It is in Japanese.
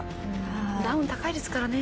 ダウン高いですからね。